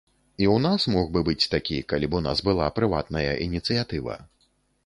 І ў нас мог бы быць такі, калі б у нас была прыватная ініцыятыва.